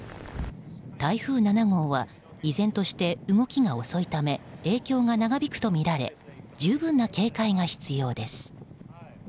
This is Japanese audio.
台風７号は依然として動きが遅いため影響が長引くとみられ十分な警戒が必要です。